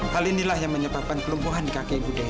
hal inilah yang menyebabkan kelumpuhan di kaki ibu dewi